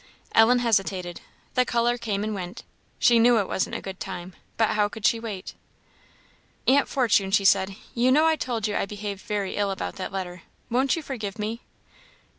Ellen hesitated; the colour came and went; she knew it wasn't a good time, but how could she wait? "Aunt Fortune," she said, "you know I told you I behaved very ill about that letter won't you forgive me?"